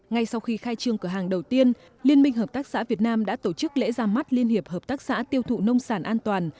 ngay sau khi khai trương cửa hàng đầu tiên liên minh hợp tác xã việt nam đã tổ chức lễ ra mắt liên hiệp hợp tác xã tiêu thụ nông sản an toàn